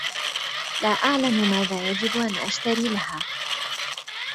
لا أعلم ماذا يجب ان أشتري لها